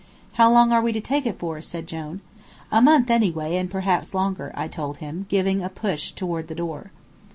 "How long are we to take it for?" said Jone. "A month anyway, and perhaps longer," I told him, giving him a push toward the door.